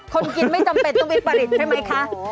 คนกินไม่จำเป็นต้องไปผลิตใช่ไหมคะ